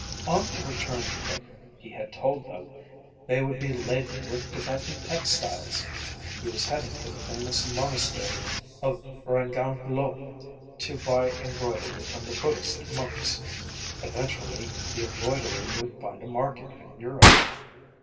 On the return trip, he had told them, they would be laden with Tibetan textiles. He was heading for the famous monastery of Rangan Lo to buy embroidery from the Buddhist monks. Eventually, the embroidery would find a market in Europe.